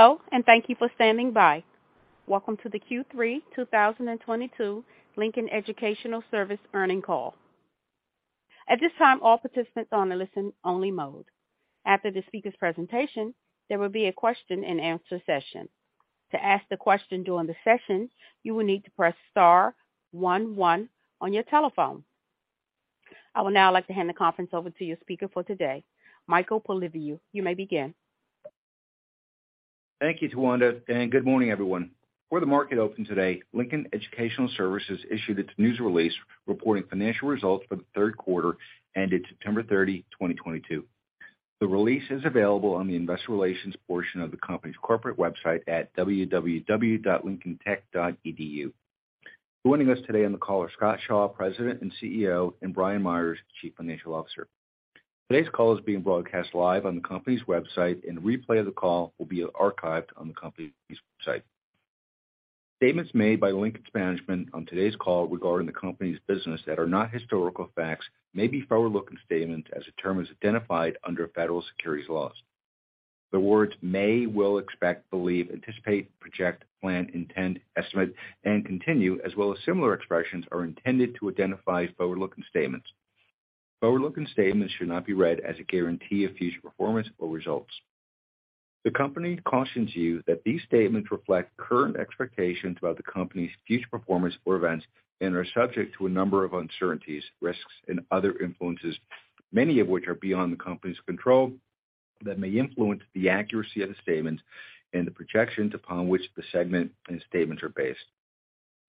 Hello, and thank you for standing by. Welcome to the Q3 2022 Lincoln Educational Services earnings call. At this time, all participants are on a listen-only mode. After the speaker's presentation, there will be a question-and-answer session. To ask the question during the session, you will need to press star one one on your telephone. I would now like to hand the conference over to your speaker for today, Michael Polyviou. You may begin. Thank you, Tawanda, and good morning, everyone. Before the market opened today, Lincoln Educational Services issued its news release reporting financial results for the third quarter ended September 30, 2022. The release is available on the investor relations portion of the company's corporate website at www.lincolntech.edu. Joining us today on the call are Scott Shaw, President and CEO, and Brian Meyers, Chief Financial Officer. Today's call is being broadcast live on the company's website, and a replay of the call will be archived on the company's website. Statements made by Lincoln's management on today's call regarding the company's business that are not historical facts may be forward-looking statements as the term is identified under federal securities laws. The words may, will, expect, believe, anticipate, project, plan, intend, estimate, and continue, as well as similar expressions, are intended to identify forward-looking statements. Forward-looking statements should not be read as a guarantee of future performance or results. The company cautions you that these statements reflect current expectations about the company's future performance or events and are subject to a number of uncertainties, risks, and other influences, many of which are beyond the company's control, that may influence the accuracy of the statements and the projections upon which such statements are based.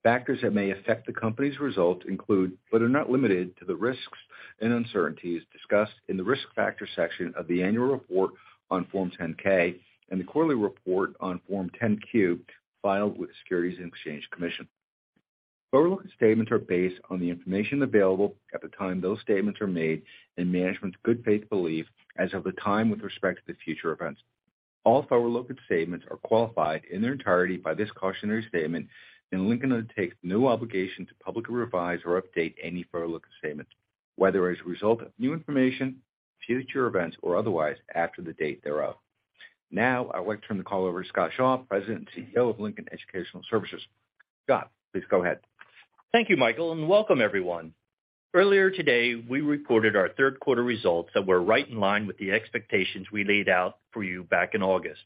Factors that may affect the company's results include, but are not limited to, the risks and uncertainties discussed in the Risk Factors section of the annual report on Form 10-K and the quarterly report on Form 10-Q filed with the Securities and Exchange Commission. Forward-looking statements are based on the information available at the time those statements are made and management's good faith belief as of the time with respect to the future events. All forward-looking statements are qualified in their entirety by this cautionary statement, and Lincoln undertakes no obligation to publicly revise or update any forward-looking statements, whether as a result of new information, future events, or otherwise after the date thereof. Now, I would like to turn the call over to Scott Shaw, President and CEO of Lincoln Educational Services. Scott, please go ahead. Thank you, Michael, and welcome everyone. Earlier today, we reported our third quarter results that were right in line with the expectations we laid out for you back in August.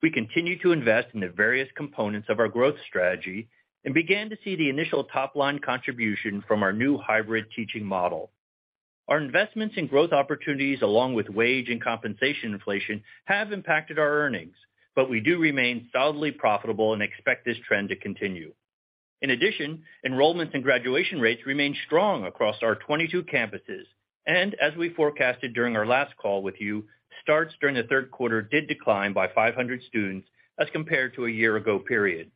We continued to invest in the various components of our growth strategy and began to see the initial top-line contribution from our new hybrid teaching model. Our investments in growth opportunities, along with wage and compensation inflation, have impacted our earnings, but we do remain solidly profitable and expect this trend to continue. In addition, enrollments and graduation rates remain strong across our 22 campuses. As we forecasted during our last call with you, starts during the third quarter did decline by 500 students as compared to a year-ago period.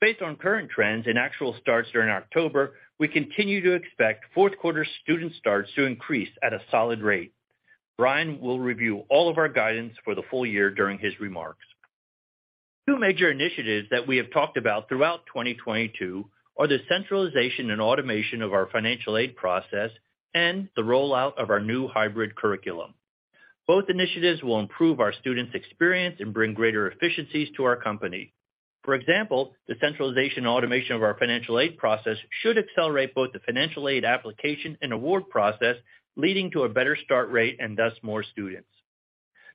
Based on current trends and actual starts during October, we continue to expect fourth quarter student starts to increase at a solid rate. Brian will review all of our guidance for the full year during his remarks. Two major initiatives that we have talked about throughout 2022 are the centralization and automation of our financial aid process and the rollout of our new hybrid curriculum. Both initiatives will improve our students' experience and bring greater efficiencies to our company. For example, the centralization and automation of our financial aid process should accelerate both the financial aid application and award process, leading to a better start rate and thus more students.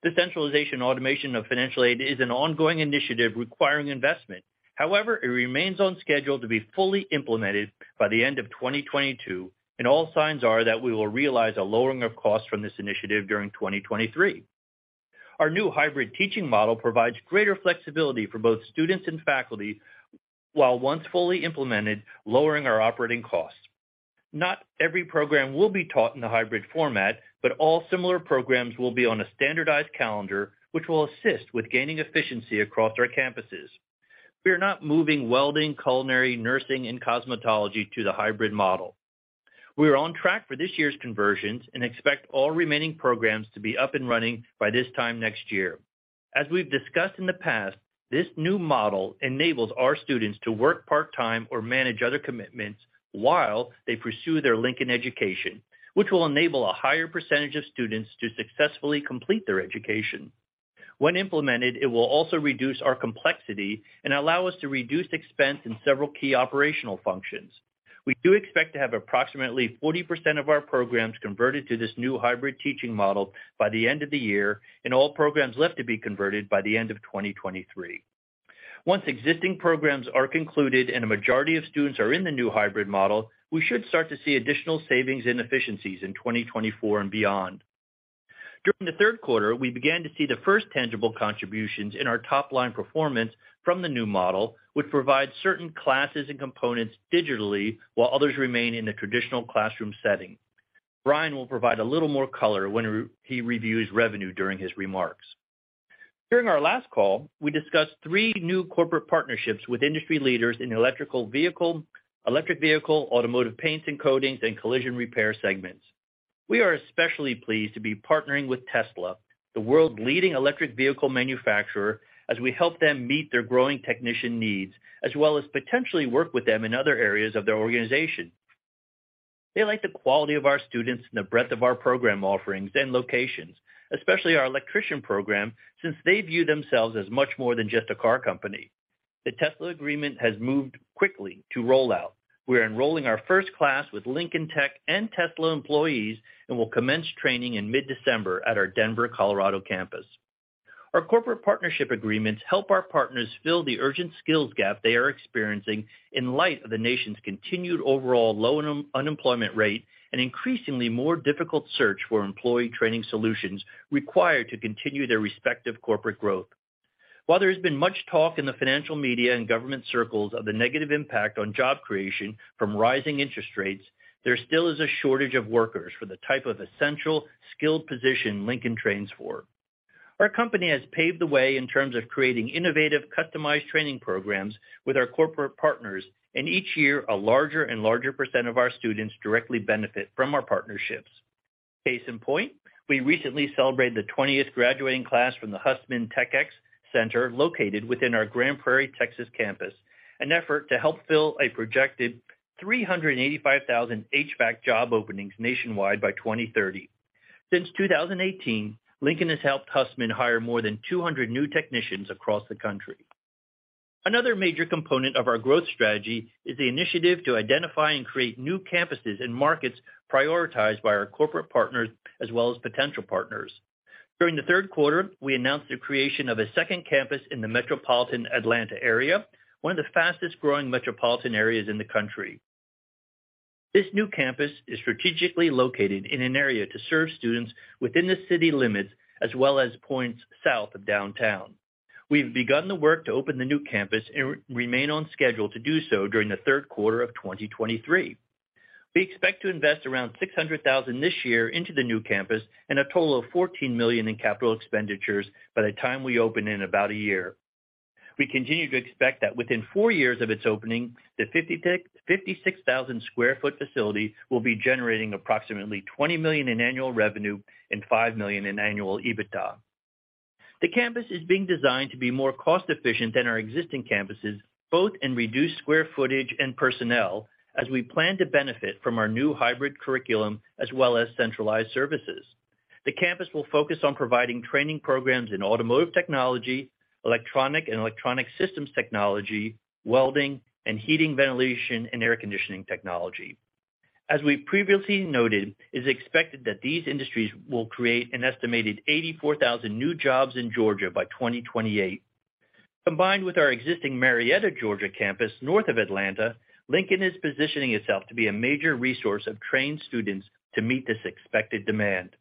The centralization and automation of financial aid is an ongoing initiative requiring investment. However, it remains on schedule to be fully implemented by the end of 2022, and all signs are that we will realize a lowering of costs from this initiative during 2023. Our new hybrid teaching model provides greater flexibility for both students and faculty, while once fully implemented, lowering our operating costs. Not every program will be taught in the hybrid format, but all similar programs will be on a standardized calendar, which will assist with gaining efficiency across our campuses. We are not moving welding, culinary, nursing, and cosmetology to the hybrid model. We are on track for this year's conversions and expect all remaining programs to be up and running by this time next year. As we've discussed in the past, this new model enables our students to work part-time or manage other commitments while they pursue their Lincoln education, which will enable a higher percentage of students to successfully complete their education. When implemented, it will also reduce our complexity and allow us to reduce expense in several key operational functions. We do expect to have approximately 40% of our programs converted to this new hybrid teaching model by the end of the year and all programs left to be converted by the end of 2023. Once existing programs are concluded and a majority of students are in the new hybrid model, we should start to see additional savings and efficiencies in 2024 and beyond. During the third quarter, we began to see the first tangible contributions in our top-line performance from the new model, which provides certain classes and components digitally while others remain in the traditional classroom setting. Brian will provide a little more color when he reviews revenue during his remarks. During our last call, we discussed three new corporate partnerships with industry leaders in electric vehicle, automotive paints and coatings, and collision repair segments. We are especially pleased to be partnering with Tesla, the world's leading electric vehicle manufacturer, as we help them meet their growing technician needs, as well as potentially work with them in other areas of their organization. They like the quality of our students and the breadth of our program offerings and locations, especially our electrician program, since they view themselves as much more than just a car company. The Tesla agreement has moved quickly to roll out. We are enrolling our first class with Lincoln Tech and Tesla employees, and we'll commence training in mid-December at our Denver, Colorado campus. Our corporate partnership agreements help our partners fill the urgent skills gap they are experiencing in light of the nation's continued overall low unemployment rate and increasingly more difficult search for employee training solutions required to continue their respective corporate growth. While there has been much talk in the financial media and government circles of the negative impact on job creation from rising interest rates, there still is a shortage of workers for the type of essential, skilled position Lincoln trains for. Our company has paved the way in terms of creating innovative, customized training programs with our corporate partners, and each year, a larger and larger percent of our students directly benefit from our partnerships. Case in point, we recently celebrated the 20th graduating class from the Hussmann TechX Center located within our Grand Prairie, Texas campus, an effort to help fill a projected 385,000 HVAC job openings nationwide by 2030. Since 2018, Lincoln has helped Hussmann hire more than 200 new technicians across the country. Another major component of our growth strategy is the initiative to identify and create new campuses in markets prioritized by our corporate partners as well as potential partners. During the third quarter, we announced the creation of a second campus in the metropolitan Atlanta area, one of the fastest-growing metropolitan areas in the country. This new campus is strategically located in an area to serve students within the city limits as well as points south of downtown. We've begun the work to open the new campus and remain on schedule to do so during the third quarter of 2023. We expect to invest around $600,000 this year into the new campus and a total of $14 million in capital expenditures by the time we open in about a year. We continue to expect that within four years of its opening, the 56,000 sq ft facility will be generating approximately $20 million in annual revenue and $5 million in annual EBITDA. The campus is being designed to be more cost-efficient than our existing campuses, both in reduced square footage and personnel, as we plan to benefit from our new hybrid curriculum as well as centralized services. The campus will focus on providing training programs in automotive technology, electrical and electronic systems technology, welding, and heating, ventilation, and air conditioning technology. As we've previously noted, it is expected that these industries will create an estimated 84,000 new jobs in Georgia by 2028. Combined with our existing Marietta, Georgia campus north of Atlanta, Lincoln is positioning itself to be a major resource of trained students to meet this expected demand.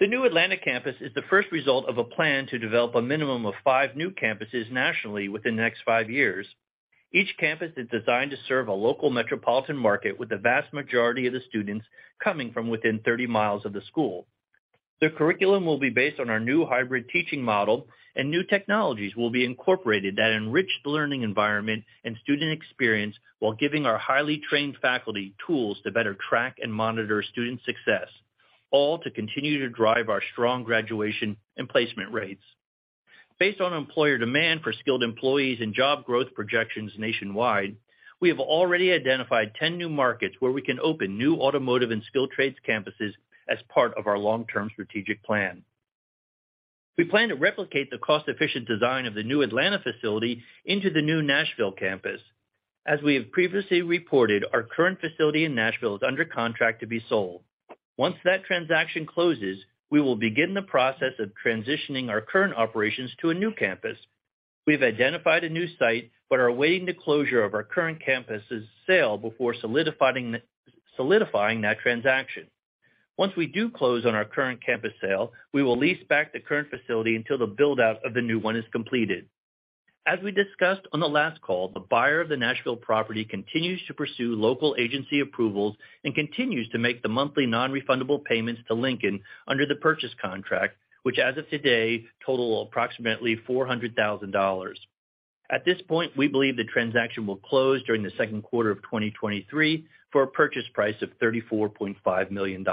The new Atlanta campus is the first result of a plan to develop a minimum of five new campuses nationally within the next five years. Each campus is designed to serve a local metropolitan market with the vast majority of the students coming from within 30 mi of the school. The curriculum will be based on our new hybrid teaching model, and new technologies will be incorporated that enrich the learning environment and student experience while giving our highly trained faculty tools to better track and monitor student success, all to continue to drive our strong graduation and placement rates. Based on employer demand for skilled employees and job growth projections nationwide, we have already identified 10 new markets where we can open new automotive and skilled trades campuses as part of our long-term strategic plan. We plan to replicate the cost-efficient design of the new Atlanta facility into the new Nashville campus. As we have previously reported, our current facility in Nashville is under contract to be sold. Once that transaction closes, we will begin the process of transitioning our current operations to a new campus. We've identified a new site but are awaiting the closure of our current campus's sale before solidifying that transaction. Once we do close on our current campus sale, we will lease back the current facility until the build-out of the new one is completed. As we discussed on the last call, the buyer of the Nashville property continues to pursue local agency approvals and continues to make the monthly non-refundable payments to Lincoln under the purchase contract, which as of today total approximately $400,000. At this point, we believe the transaction will close during the second quarter of 2023 for a purchase price of $34.5 million.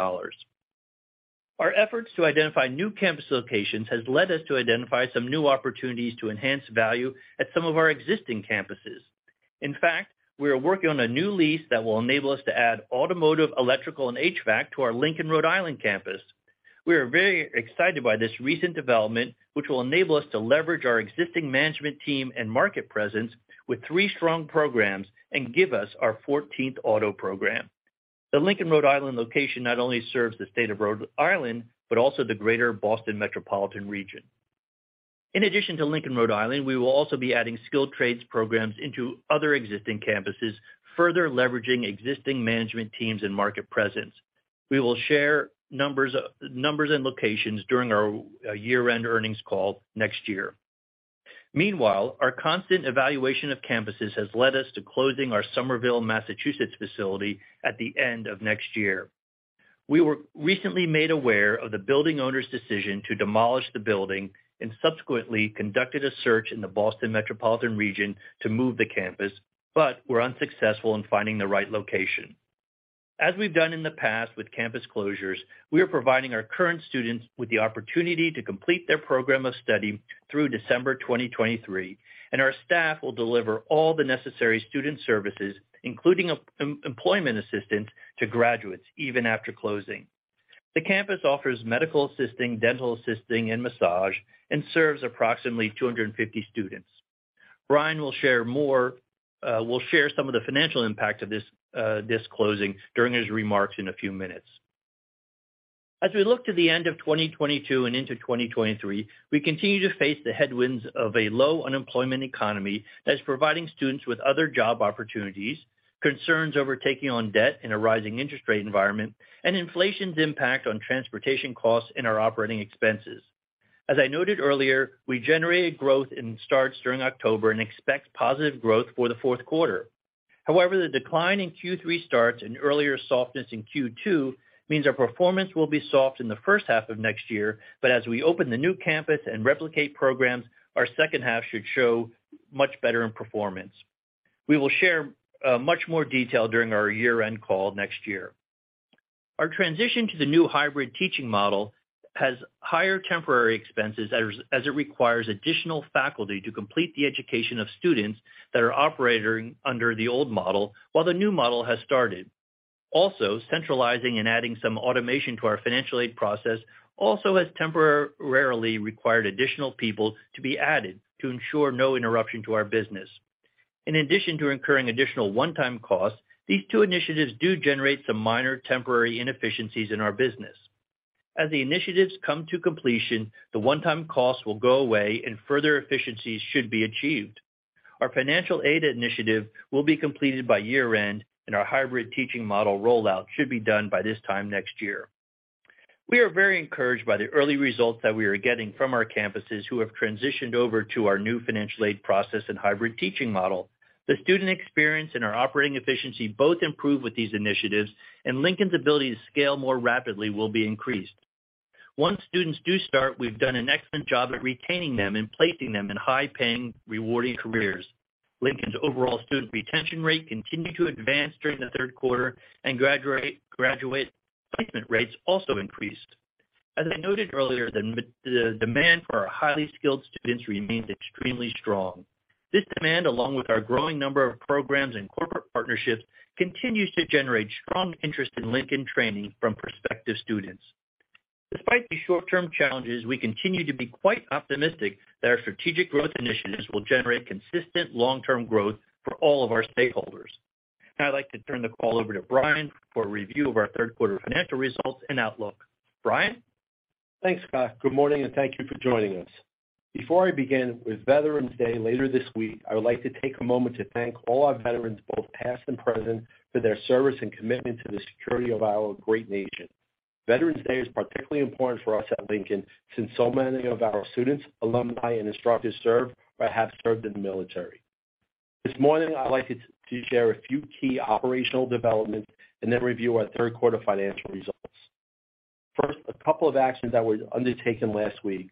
Our efforts to identify new campus locations has led us to identify some new opportunities to enhance value at some of our existing campuses. In fact, we are working on a new lease that will enable us to add automotive, electrical, and HVAC to our Lincoln, Rhode Island campus. We are very excited by this recent development, which will enable us to leverage our existing management team and market presence with three strong programs and give us our 14th auto program. The Lincoln, Rhode Island location not only serves the state of Rhode Island, but also the greater Boston metropolitan region. In addition to Lincoln, Rhode Island, we will also be adding skilled trades programs into other existing campuses, further leveraging existing management teams and market presence. We will share numbers and locations during our year-end earnings call next year. Meanwhile, our constant evaluation of campuses has led us to closing our Somerville, Massachusetts facility at the end of next year. We were recently made aware of the building owner's decision to demolish the building and subsequently conducted a search in the Boston metropolitan region to move the campus, but were unsuccessful in finding the right location. As we've done in the past with campus closures, we are providing our current students with the opportunity to complete their program of study through December 2023, and our staff will deliver all the necessary student services, including employment assistance to graduates even after closing. The campus offers medical assisting, dental assisting, and massage, and serves approximately 250 students. Brian will share some of the financial impact of this closing during his remarks in a few minutes. As we look to the end of 2022 and into 2023, we continue to face the headwinds of a low unemployment economy that's providing students with other job opportunities, concerns over taking on debt in a rising interest rate environment, and inflation's impact on transportation costs and our operating expenses. As I noted earlier, we generated growth in starts during October and expect positive growth for the fourth quarter. However, the decline in Q3 starts and earlier softness in Q2 means our performance will be soft in the first half of next year. As we open the new campus and replicate programs, our second half should show much better in performance. We will share much more detail during our year-end call next year. Our transition to the new hybrid teaching model has higher temporary expenses as it requires additional faculty to complete the education of students that are operating under the old model while the new model has started. Also, centralizing and adding some automation to our financial aid process also has temporarily required additional people to be added to ensure no interruption to our business. In addition to incurring additional one-time costs, these two initiatives do generate some minor temporary inefficiencies in our business. As the initiatives come to completion, the one-time costs will go away and further efficiencies should be achieved. Our financial aid initiative will be completed by year-end, and our hybrid teaching model rollout should be done by this time next year. We are very encouraged by the early results that we are getting from our campuses who have transitioned over to our new financial aid process and hybrid teaching model. The student experience and our operating efficiency both improve with these initiatives, and Lincoln's ability to scale more rapidly will be increased. Once students do start, we've done an excellent job at retaining them and placing them in high-paying, rewarding careers. Lincoln's overall student retention rate continued to advance during the third quarter, and graduate placement rates also increased. As I noted earlier, the demand for our highly skilled students remains extremely strong. This demand, along with our growing number of programs and corporate partnerships, continues to generate strong interest in Lincoln training from prospective students. Despite these short-term challenges, we continue to be quite optimistic that our strategic growth initiatives will generate consistent long-term growth for all of our stakeholders. Now I'd like to turn the call over to Brian for a review of our third quarter financial results and outlook. Brian? Thanks, Scott. Good morning, and thank you for joining us. Before I begin, with Veterans Day later this week, I would like to take a moment to thank all our veterans, both past and present, for their service and commitment to the security of our great nation. Veterans Day is particularly important for us at Lincoln, since so many of our students, alumni, and instructors serve or have served in the military. This morning, I'd like to share a few key operational developments and then review our third quarter financial results. First, a couple of actions that were undertaken last week.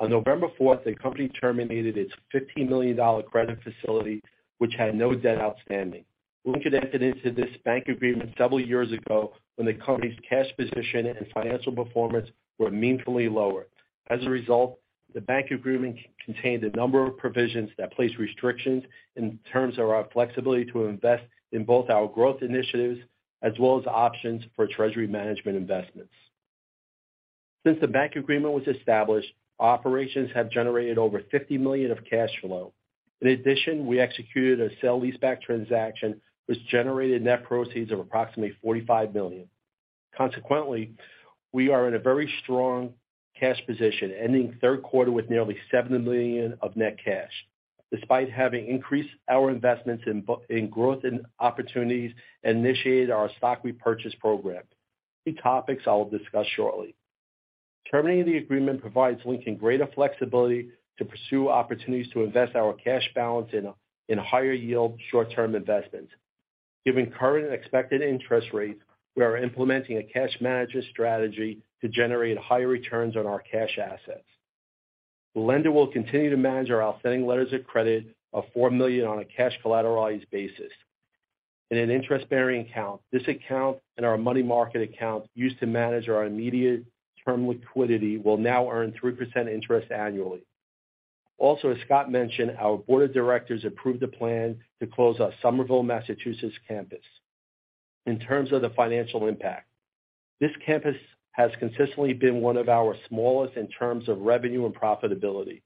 On November 4th, the company terminated its $50 million credit facility, which had no debt outstanding. Lincoln entered into this bank agreement several years ago when the company's cash position and financial performance were meaningfully lower. As a result, the bank agreement contained a number of provisions that placed restrictions in terms of our flexibility to invest in both our growth initiatives as well as options for treasury management investments. Since the bank agreement was established, operations have generated over $50 million of cash flow. In addition, we executed a sale-leaseback transaction, which generated net proceeds of approximately $45 million. Consequently, we are in a very strong cash position, ending the third quarter with nearly $7 million of net cash, despite having increased our investments in growth and opportunities and initiated our stock repurchase program. Key topics I will discuss shortly. Terminating the agreement provides Lincoln greater flexibility to pursue opportunities to invest our cash balance in higher yield short-term investments. Given current expected interest rates, we are implementing a cash management strategy to generate higher returns on our cash assets. The lender will continue to manage our outstanding letters of credit of $4 million on a cash collateralized basis in an interest-bearing account. This account and our money market account used to manage our immediate term liquidity will now earn 3% interest annually. Also, as Scott mentioned, our board of directors approved a plan to close our Somerville, Massachusetts campus. In terms of the financial impact, this campus has consistently been one of our smallest in terms of revenue and profitability.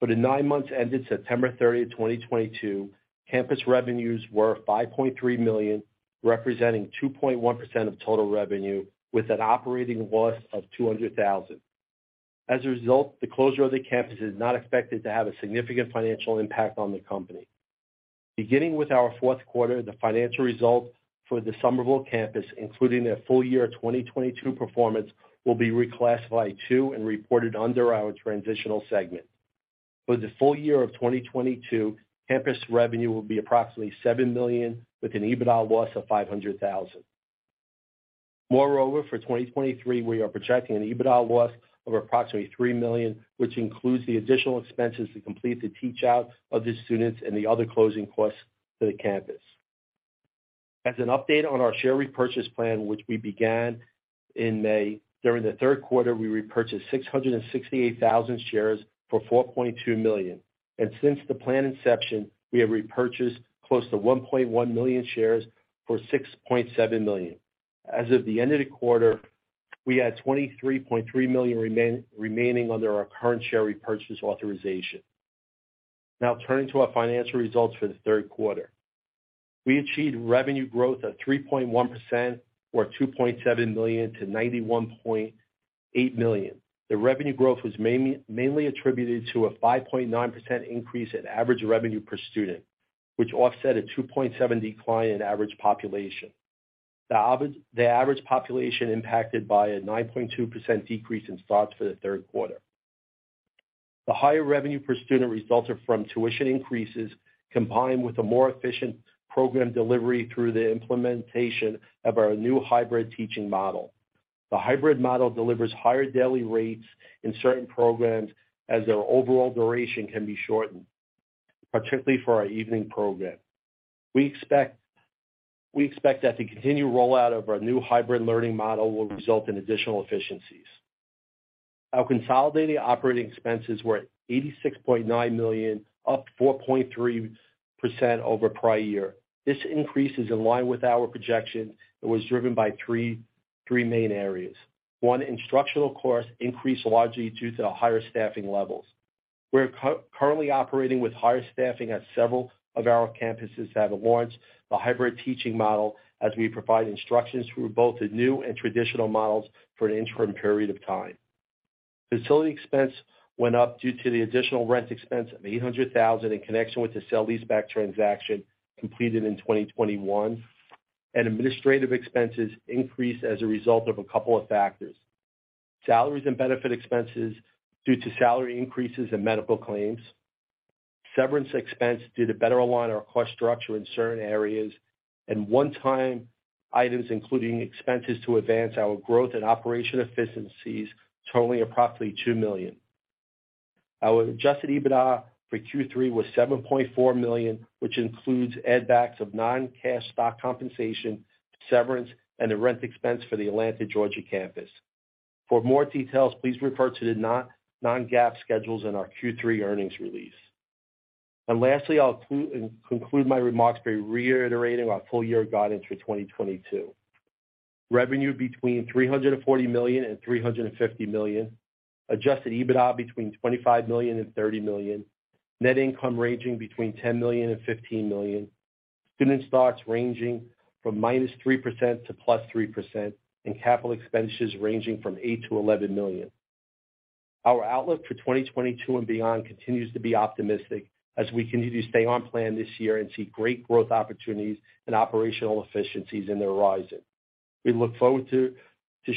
For the nine months ended September 30, 2022, campus revenues were $5.3 million, representing 2.1% of total revenue, with an operating loss of $200,000. As a result, the closure of the campus is not expected to have a significant financial impact on the company. Beginning with our fourth quarter, the financial result for the Somerville campus, including their full year 2022 performance, will be reclassified to and reported under our Transitional segment. For the full year of 2022, campus revenue will be approximately $7 million, with an EBITDA loss of $500,000. Moreover, for 2023, we are projecting an EBITDA loss of approximately $3 million, which includes the additional expenses to complete the teach-out of the students and the other closing costs to the campus. As an update on our share repurchase plan, which we began in May, during the third quarter, we repurchased 668,000 shares for $4.2 million. Since the plan inception, we have repurchased close to 1.1 million shares for $6.7 million. As of the end of the quarter, we had $23.3 million remaining under our current share repurchase authorization. Now turning to our financial results for the third quarter. We achieved revenue growth of 3.1% or $2.7 million to $91.8 million. The revenue growth was mainly attributed to a 5.9% increase in average revenue per student, which offset a 2.7% decline in average population. The average population impacted by a 9.2% decrease in starts for the third quarter. The higher revenue per student resulted from tuition increases combined with a more efficient program delivery through the implementation of our new hybrid teaching model. The hybrid model delivers higher daily rates in certain programs as their overall duration can be shortened, particularly for our evening program. We expect that the continued rollout of our new hybrid learning model will result in additional efficiencies. Our consolidated operating expenses were at $86.9 million, up 4.3% over prior year. This increase is in line with our projection and was driven by three main areas. One, instructional costs increased largely due to the higher staffing levels. We're currently operating with higher staffing at several of our campuses that have launched the hybrid teaching model as we provide instructions through both the new and traditional models for an interim period of time. Facility expense went up due to the additional rent expense of $800,000 in connection with the sale-leaseback transaction completed in 2021, and administrative expenses increased as a result of a couple of factors. Salaries and benefit expenses due to salary increases in medical claims, severance expense due to better align our cost structure in certain areas, and one-time items, including expenses to advance our growth and operation efficiencies totaling approximately $2 million. Our adjusted EBITDA for Q3 was $7.4 million, which includes add backs of non-cash stock compensation, severance, and the rent expense for the Atlanta, Georgia campus. For more details, please refer to the non-GAAP schedules in our Q3 earnings release. Lastly, I'll conclude my remarks by reiterating our full-year guidance for 2022. Revenue between $340 million and $350 million. Adjusted EBITDA between $25 million and $30 million. Net income ranging between $10 million and $15 million. Student starts ranging from -3% to +3%, and capital expenses ranging from $8 million to $11 million. Our outlook for 2022 and beyond continues to be optimistic as we continue to stay on plan this year and see great growth opportunities and operational efficiencies in the horizon. We look forward to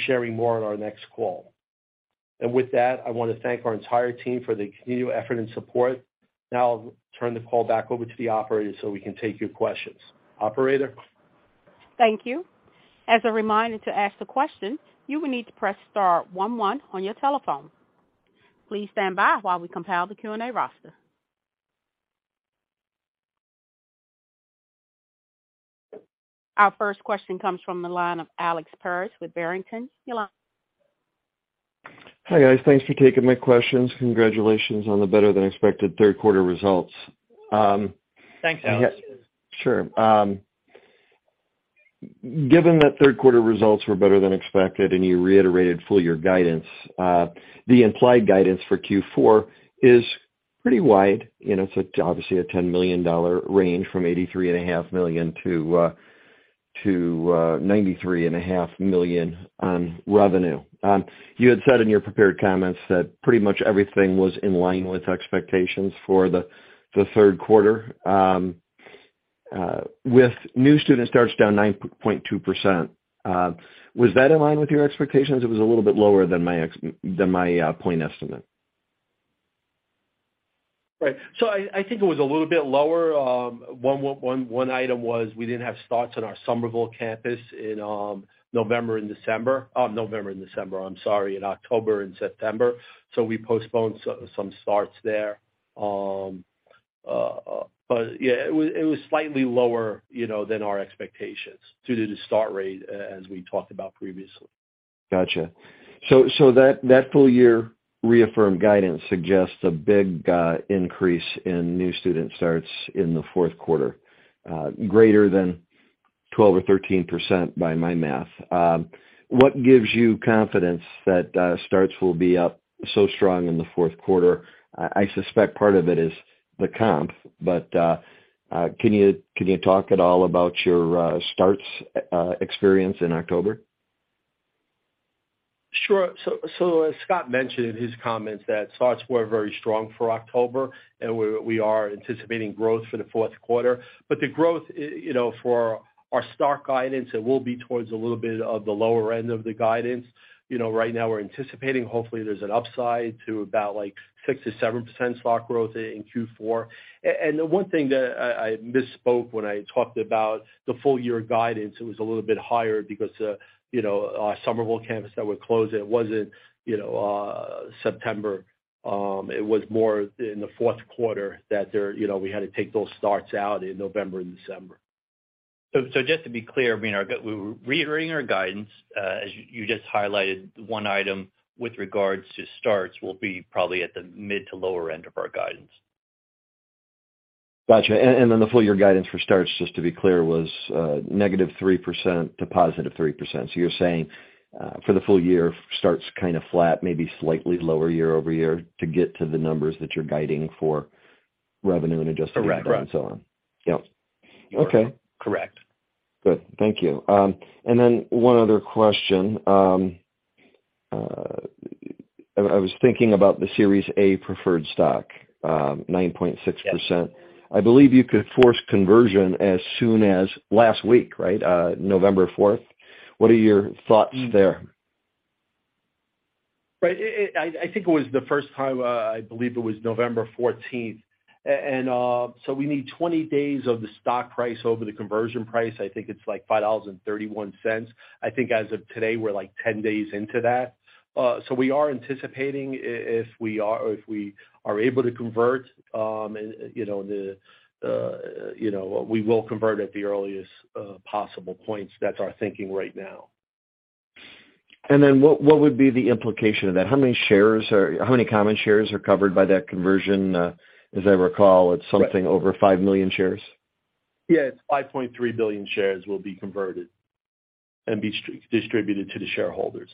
sharing more on our next call. With that, I wanna thank our entire team for the continued effort and support. Now I'll turn the call back over to the operator so we can take your questions. Operator? Thank you. As a reminder to ask the question, you will need to press star one one on your telephone. Please stand by while we compile the Q&A roster. Our first question comes from the line of Alex Paris with Barrington. You're on. Hi, guys. Thanks for taking my questions. Congratulations on the better than expected third quarter results. Thanks, Alex. Sure. Given that third quarter results were better than expected and you reiterated full-year guidance, the implied guidance for Q4 is pretty wide. You know, it's obviously a $10 million range from $83.5 million-$93.5 million on revenue. You had said in your prepared comments that pretty much everything was in line with expectations for the third quarter. With new student starts down 9.2%, was that in line with your expectations? It was a little bit lower than my point estimate. Right. I think it was a little bit lower. One item was we didn't have starts on our Somerville campus in November and December. I'm sorry, in October and September. We postponed some starts there. Yeah, it was slightly lower, you know, than our expectations due to the start rate, as we talked about previously. Gotcha. That full year reaffirmed guidance suggests a big increase in new student starts in the fourth quarter, greater than 12% or 13% by my math. What gives you confidence that starts will be up so strong in the fourth quarter? I suspect part of it is the comp, but can you talk at all about your starts experience in October? Sure. As Scott mentioned in his comments that starts were very strong for October, and we are anticipating growth for the fourth quarter. The growth, you know, for our start guidance, it will be towards a little bit of the lower end of the guidance. You know, right now we're anticipating, hopefully there's an upside to about like 6%-7% start growth in Q4. The one thing that I misspoke when I talked about the full year guidance, it was a little bit higher because, you know, our Somerville campus that we're closing wasn't September. It was more in the fourth quarter that there, you know, we had to take those starts out in November and December. Just to be clear, I mean, we're reiterating our guidance. As you just highlighted, one item with regards to starts will be probably at the mid to lower end of our guidance. Gotcha. Then the full year guidance for starts, just to be clear, was -3% to +3%. You're saying for the full year, starts kind of flat, maybe slightly lower year-over-year to get to the numbers that you're guiding for revenue and adjusted- Correct. And so on. Yep. Okay. Correct. Good. Thank you. One other question. I was thinking about the Series A preferred stock, 9.6%. Yes. I believe you could force conversion as soon as last week, right? November 4th. What are your thoughts there? Right. I think it was the first time, I believe it was November 14th. We need 20 days of the stock price over the conversion price. I think it's like $5.31. I think as of today, we're like 10 days into that. We are anticipating if we are able to convert, and you know, we will convert at the earliest possible points. That's our thinking right now. What would be the implication of that? How many common shares are covered by that conversion? As I recall, it's something over 5 million shares. Yeah. It's 5.3 billion shares will be converted and be straight distributed to the shareholders.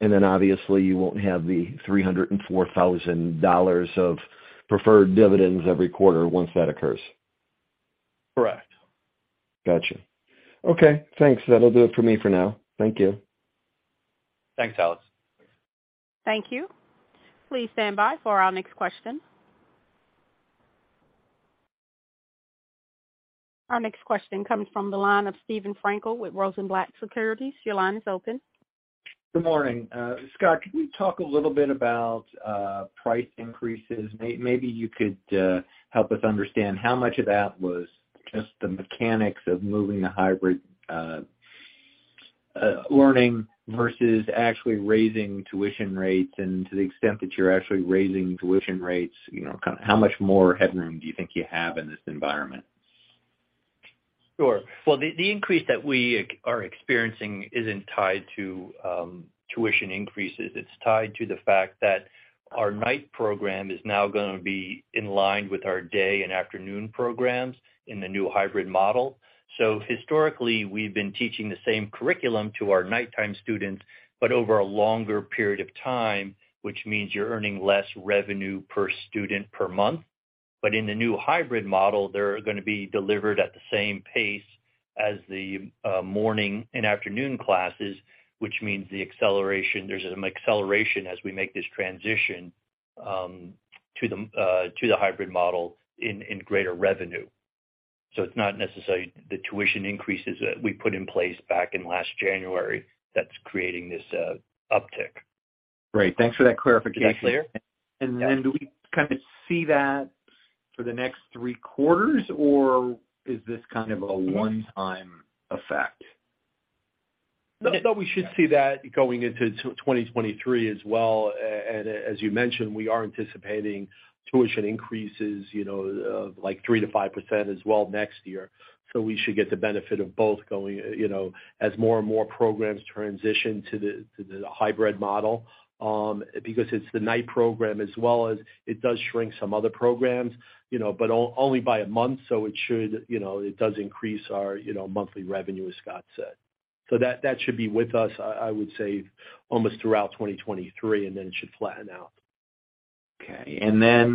Obviously you won't have the $304,000 of preferred dividends every quarter once that occurs. Correct. Gotcha. Okay. Thanks. That'll do it for me for now. Thank you. Thanks, Alex. Thank you. Please stand by for our next question. Our next question comes from the line of Steven Frankel with Rosenblatt Securities. Your line is open. Good morning. Scott, can you talk a little bit about price increases? Maybe you could help us understand how much of that was just the mechanics of moving the hybrid learning versus actually raising tuition rates. To the extent that you're actually raising tuition rates, you know, kind of how much more headroom do you think you have in this environment? Sure. Well, the increase that we are experiencing isn't tied to tuition increases. It's tied to the fact that our night program is now gonna be in line with our day and afternoon programs in the new hybrid model. Historically, we've been teaching the same curriculum to our nighttime students, but over a longer period of time, which means you're earning less revenue per student per month. In the new hybrid model, they're gonna be delivered at the same pace as the morning and afternoon classes, which means there's an acceleration as we make this transition to the hybrid model in greater revenue. It's not necessarily the tuition increases that we put in place back in last January that's creating this uptick. Great. Thanks for that clarification. Yes. Do we kind of see that for the next three quarters, or is this kind of a one-time effect? No, we should see that going into 2023 as well. As you mentioned, we are anticipating tuition increases, you know, like 3%-5% as well next year. We should get the benefit of both going, you know, as more and more programs transition to the hybrid model, because it's the night program as well as it does shrink some other programs, you know, but only by a month, so it should, you know, it does increase our, you know, monthly revenue, as Scott said. That should be with us, I would say almost throughout 2023, and then it should flatten out. Okay.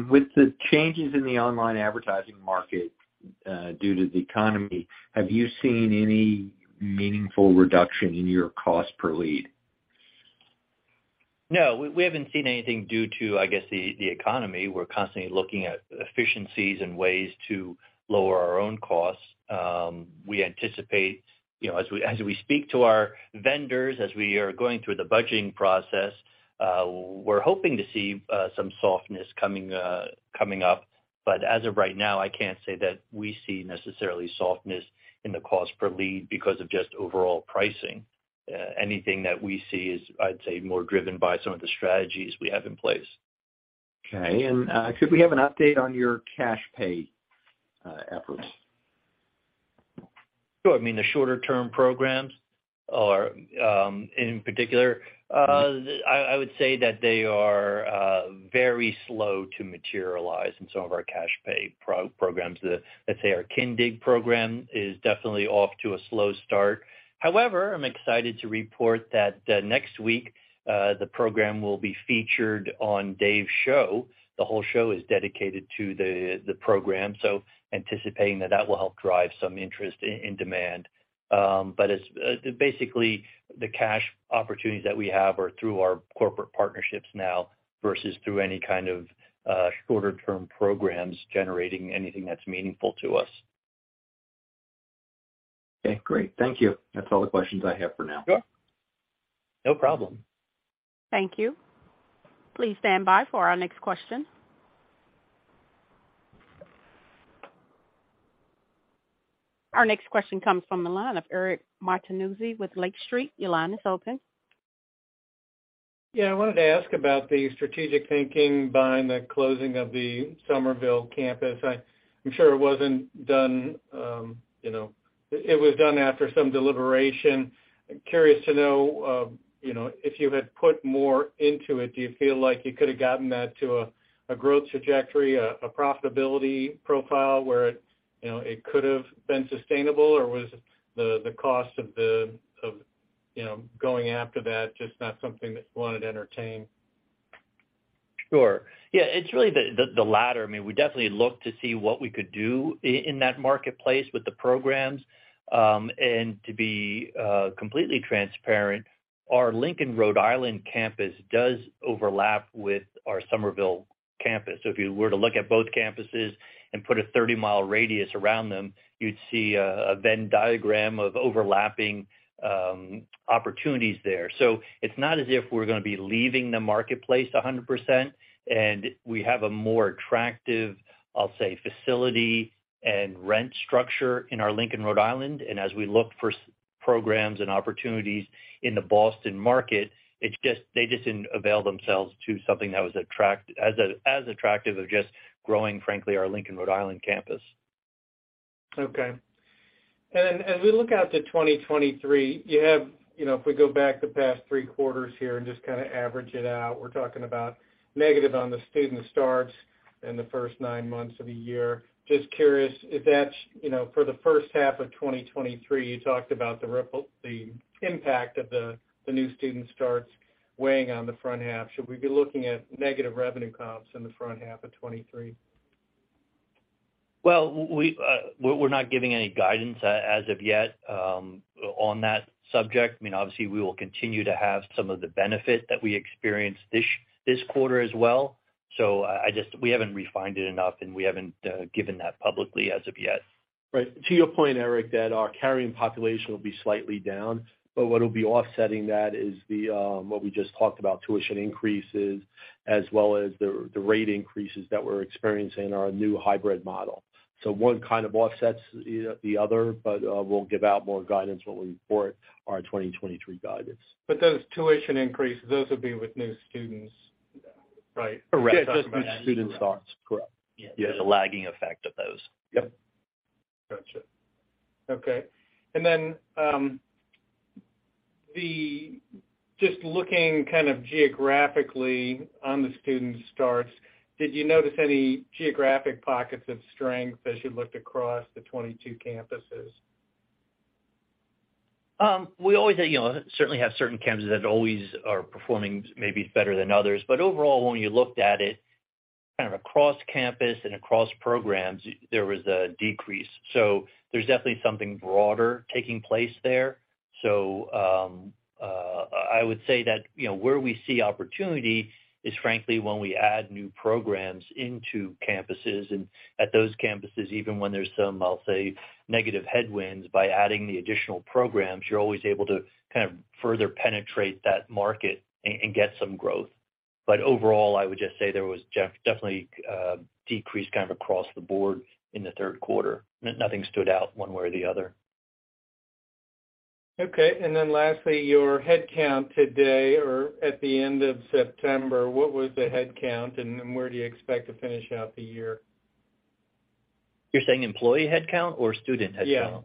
With the changes in the online advertising market, due to the economy, have you seen any meaningful reduction in your cost per lead? No, we haven't seen anything due to, I guess the economy. We're constantly looking at efficiencies and ways to lower our own costs. We anticipate, you know, as we speak to our vendors, as we are going through the budgeting process, we're hoping to see some softness coming up. As of right now, I can't say that we see necessarily softness in the cost per lead because of just overall pricing. Anything that we see is, I'd say, more driven by some of the strategies we have in place. Okay. Could we have an update on your cash pay efforts? Sure. I mean, the shorter-term programs are, in particular, I would say that they are, very slow to materialize in some of our cash pay programs. Let's say our Kindig program is definitely off to a slow start. However, I'm excited to report that, next week, the program will be featured on Dave's show. The whole show is dedicated to the program, so anticipating that will help drive some interest in demand. But it's basically the cash opportunities that we have are through our corporate partnerships now versus through any kind of shorter-term programs generating anything that's meaningful to us. Okay. Great. Thank you. That's all the questions I have for now. Sure. No problem. Thank you. Please stand by for our next question. Our next question comes from the line of Eric Martinuzzi with Lake Street. Your line is open. Yeah. I wanted to ask about the strategic thinking behind the closing of the Somerville campus. I'm sure it wasn't done, you know. It was done after some deliberation. Curious to know, you know, if you had put more into it, do you feel like you could have gotten that to a growth trajectory, a profitability profile where it- you know, it could have been sustainable or was the cost of, you know, going after that just not something that you wanted to entertain? Sure. Yeah, it's really the latter. I mean, we definitely look to see what we could do in that marketplace with the programs. To be completely transparent, our Lincoln, Rhode Island campus does overlap with our Somerville campus. If you were to look at both campuses and put a 30 mi radius around them, you'd see a Venn diagram of overlapping opportunities there. It's not as if we're gonna be leaving the marketplace 100%. We have a more attractive, I'll say, facility and rent structure in our Lincoln, Rhode Island. As we look for programs and opportunities in the Boston market, they just didn't avail themselves to something that was as attractive as just growing, frankly, our Lincoln, Rhode Island campus. Okay. As we look out to 2023, you have, you know, if we go back the past three quarters here and just kinda average it out, we're talking about negative on the student starts in the first nine months of the year. Just curious if that's, you know, for the first half of 2023, you talked about the ripple, the impact of the new student starts weighing on the front half. Should we be looking at negative revenue comps in the front half of 2023? Well, we're not giving any guidance as of yet, on that subject. I mean, obviously, we will continue to have some of the benefit that we experienced this quarter as well. We haven't refined it enough, and we haven't given that publicly as of yet. Right. To your point, Eric, that our carrying population will be slightly down, but what'll be offsetting that is what we just talked about, tuition increases as well as the rate increases that we're experiencing in our new hybrid model. One kind of offsets the other, but we'll give out more guidance when we report our 2023 guidance. Those tuition increases, those will be with new students, right? Correct. Yes. With new student starts. Correct. Yeah. There's a lagging effect of those. Yep. Gotcha. Okay. Just looking kind of geographically on the student starts, did you notice any geographic pockets of strength as you looked across the 22 campuses? We always, you know, certainly have certain campuses that always are performing maybe better than others. Overall, when you looked at it kind of across campus and across programs, there was a decrease. There's definitely something broader taking place there. I would say that, you know, where we see opportunity is frankly when we add new programs into campuses. At those campuses, even when there's some, I'll say, negative headwinds, by adding the additional programs, you're always able to kind of further penetrate that market and get some growth. Overall, I would just say there was definitely a decrease kind of across the board in the third quarter. Nothing stood out one way or the other. Okay. Lastly, your headcount today or at the end of September, what was the headcount, and then where do you expect to finish out the year? You're saying employee headcount or student headcount?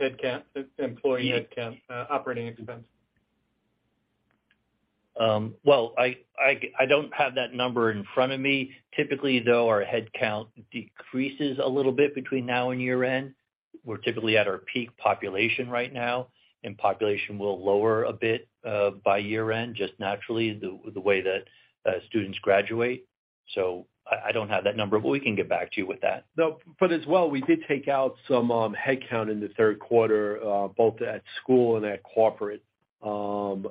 Yeah. Headcount. Employee headcount, operating expense. Well, I don't have that number in front of me. Typically, though, our headcount decreases a little bit between now and year-end. We're typically at our peak population right now, and population will lower a bit by year-end just naturally the way that students graduate. I don't have that number, but we can get back to you with that. No, but as well, we did take out some headcount in the third quarter both at school and at corporate. I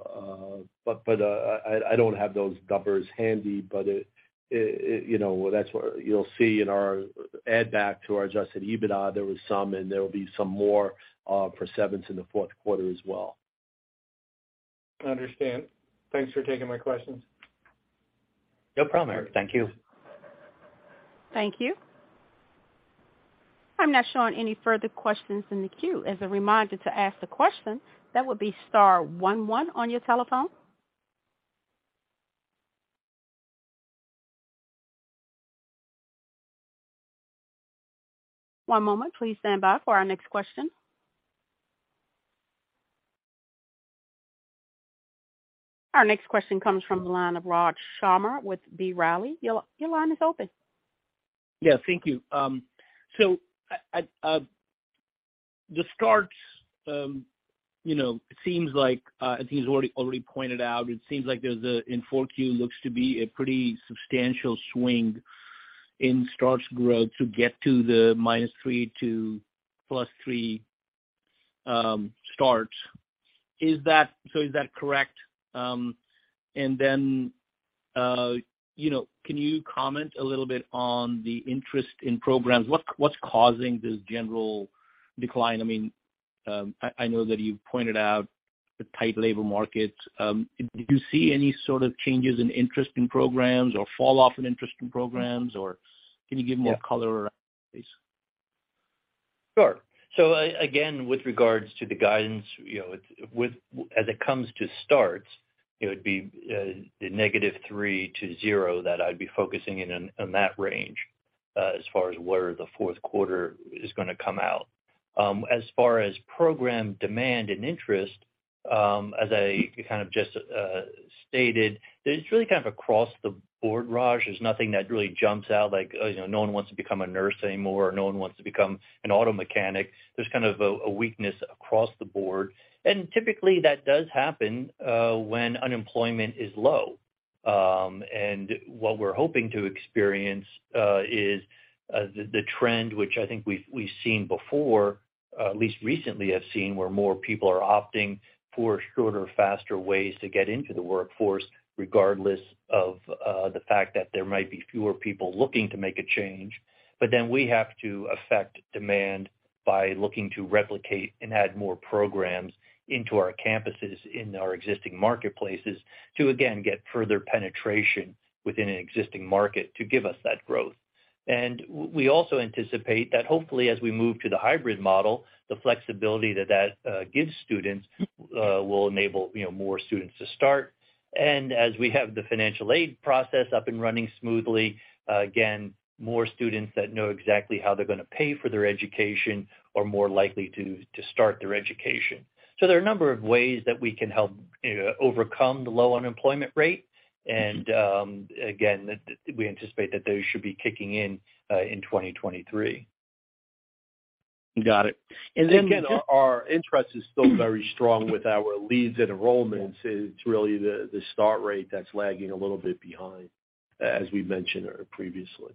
don't have those numbers handy, but it you know, that's what you'll see in our add back to our adjusted EBITDA. There was some, and there will be some more for severance in the fourth quarter as well. I understand. Thanks for taking my questions. No problem, Eric. Thank you. Thank you. I'm not showing any further questions in the queue. As a reminder to ask a question, that would be star one one on your telephone. One moment, please stand by for our next question. Our next question comes from the line of Raj Sharma with B. Riley. Your line is open. Yeah. Thank you. At the starts, you know, it seems like I think it's already pointed out. It seems like in 4Q looks to be a pretty substantial swing in starts growth to get to the -3% to +3% starts. Is that correct? You know, can you comment a little bit on the interest in programs? What's causing this general decline? I mean, I know that you've pointed out the tight labor market. Did you see any sort of changes in interest in programs or fall off in interest in programs, or can you give more color around this? Sure. Again, with regards to the guidance, you know, with as it comes to starts, it would be the -3 to 0 that I'd be focusing in that range as far as where the fourth quarter is gonna come out. As far as program demand and interest, as I kind of just stated, it's really kind of across the board, Raj. There's nothing that really jumps out like, oh, you know, no one wants to become a nurse anymore, or no one wants to become an auto mechanic. There's kind of a weakness across the board. Typically that does happen when unemployment is low. What we're hoping to experience is the trend which I think we've seen before, at least recently have seen, where more people are opting for shorter, faster ways to get into the workforce, regardless of the fact that there might be fewer people looking to make a change. We have to affect demand by looking to replicate and add more programs into our campuses in our existing marketplaces to again get further penetration within an existing market to give us that growth. We also anticipate that hopefully, as we move to the hybrid model, the flexibility that gives students will enable, you know, more students to start. As we have the financial aid process up and running smoothly, again, more students that know exactly how they're gonna pay for their education are more likely to start their education. There are a number of ways that we can help, you know, overcome the low unemployment rate. We anticipate that those should be kicking in in 2023. Got it. Again, our interest is still very strong with our leads and enrollments. It's really the start rate that's lagging a little bit behind, as we mentioned earlier previously.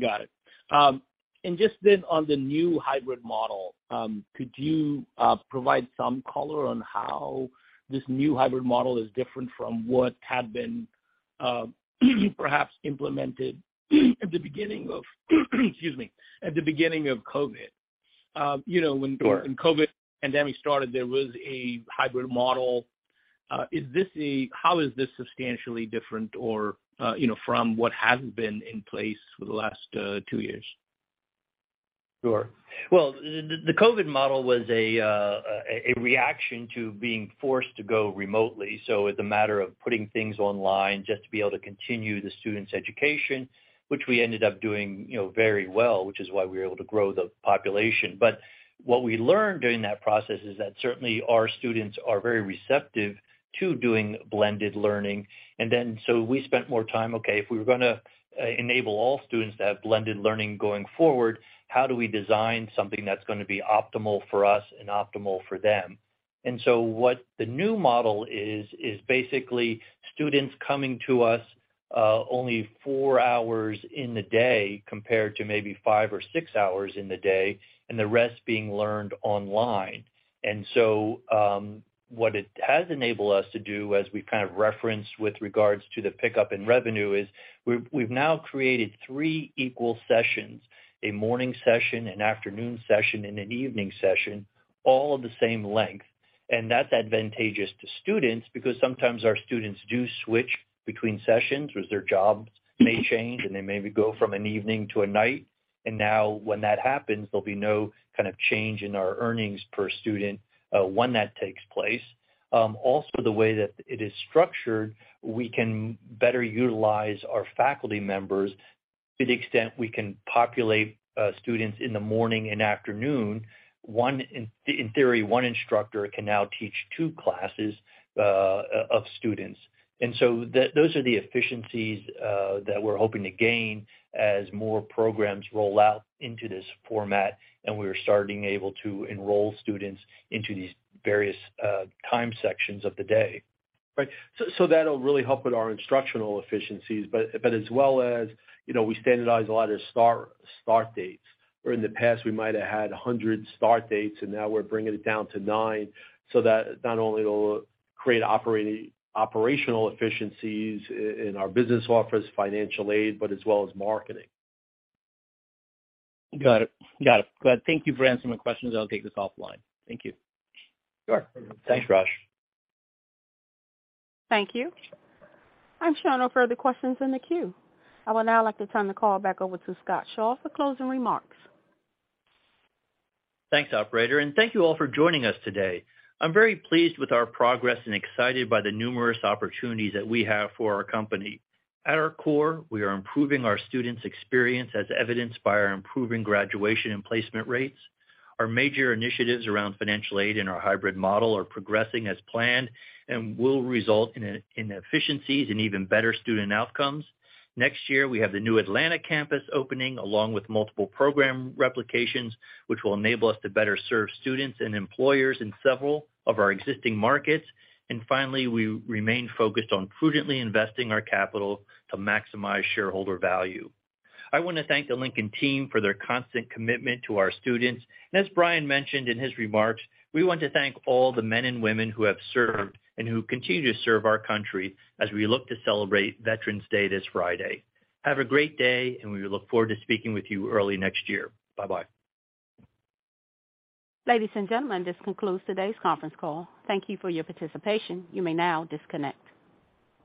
Got it. Just then on the new hybrid model, could you provide some color on how this new hybrid model is different from what had been perhaps implemented at the beginning of COVID? You know, when Sure. The COVID pandemic started, there was a hybrid model. How is this substantially different or, you know, from what has been in place for the last two years? Sure. Well, the COVID model was a reaction to being forced to go remotely. It's a matter of putting things online just to be able to continue the student's education, which we ended up doing, you know, very well, which is why we were able to grow the population. But what we learned during that process is that certainly our students are very receptive to doing blended learning. We spent more time, okay, if we were gonna enable all students to have blended learning going forward, how do we design something that's gonna be optimal for us and optimal for them? What the new model is is basically students coming to us only four hours in the day compared to maybe five or six hours in the day, and the rest being learned online. What it has enabled us to do, as we've kind of referenced with regards to the pickup in revenue, is we've now created three equal sessions, a morning session, an afternoon session, and an evening session, all of the same length. That's advantageous to students because sometimes our students do switch between sessions as their jobs may change, and they maybe go from an evening to a night. Now when that happens, there'll be no kind of change in our earnings per student, when that takes place. Also the way that it is structured, we can better utilize our faculty members to the extent we can populate students in the morning and afternoon. In theory, one instructor can now teach two classes of students. Those are the efficiencies that we're hoping to gain as more programs roll out into this format, and we're starting able to enroll students into these various time sections of the day. Right. That'll really help with our instructional efficiencies, but as well as, you know, we standardize a lot of start dates. Where in the past we might have had 100 start dates, and now we're bringing it down to nine so that not only it'll create operational efficiencies in our business office, financial aid, but as well as marketing. Got it. Well, thank you for answering my questions. I'll take this offline. Thank you. Sure. Thanks, Raj. Thank you. I'm showing no further questions in the queue. I would now like to turn the call back over to Scott Shaw for closing remarks. Thanks, operator, and thank you all for joining us today. I'm very pleased with our progress and excited by the numerous opportunities that we have for our company. At our core, we are improving our students' experience as evidenced by our improving graduation and placement rates. Our major initiatives around financial aid and our hybrid model are progressing as planned and will result in efficiencies and even better student outcomes. Next year, we have the new Atlanta campus opening, along with multiple program replications, which will enable us to better serve students and employers in several of our existing markets. Finally, we remain focused on prudently investing our capital to maximize shareholder value. I wanna thank the Lincoln team for their constant commitment to our students. As Brian mentioned in his remarks, we want to thank all the men and women who have served and who continue to serve our country as we look to celebrate Veterans Day this Friday. Have a great day, and we look forward to speaking with you early next year. Bye-bye. Ladies and gentlemen, this concludes today's conference call. Thank you for your participation. You may now disconnect.